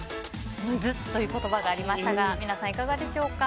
むずっという言葉がありましたが皆さんいかがでしょうか？